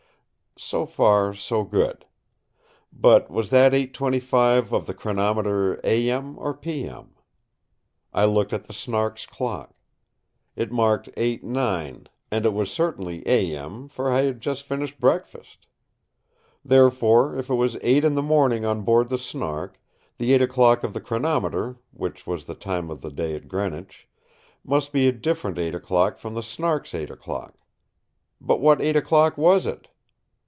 So far, so good. But was that 8:25 of the chronometer A.M., or P.M.? I looked at the Snark's clock. It marked 8:9, and it was certainly A.M. for I had just finished breakfast. Therefore, if it was eight in the morning on board the Snark, the eight o'clock of the chronometer (which was the time of the day at Greenwich) must be a different eight o'clock from the Snark's eight o'clock. But what eight o'clock was it?